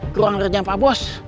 kerohan kerjaan pak bos